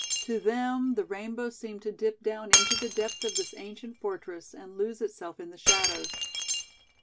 To them the rainbow seemed to dip down into the depth of this ancient fortress and lose itself in the shadows.